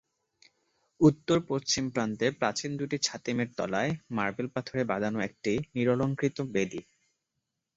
উত্তরপশ্চিম প্রান্তে প্রাচীন দুটি ছাতিমের তলায় মার্বেল পাথরে বাঁধানো একটি নিরলংকৃত বেদী।